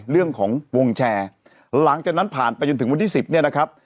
เรื่องของวงแชร์หลังจากนั้นผ่านไปจนถึงวันที่สิบเนี่ยนะครับ